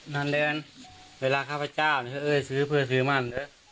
นั่นแหละเวลาข้าพเจ้าเอ้ยซื้อเพื่อซื้อมั่น